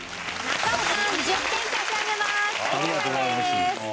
中尾さん１０点差し上げます。